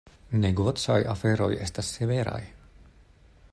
Negocaj aferoj estas severaj.